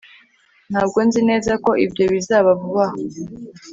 Ntabwo nzi neza ko ibyo bizaba vuba aha